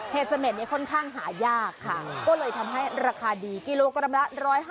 เสม็ดนี้ค่อนข้างหายากค่ะก็เลยทำให้ราคาดีกิโลกรัมละ๑๕๐